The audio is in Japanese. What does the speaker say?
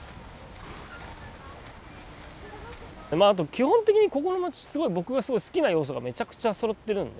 基本的にここの街僕がすごい好きな要素がめちゃくちゃそろってるんで。